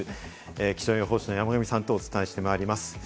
気象予報士の山神さんとお伝えしてまいります。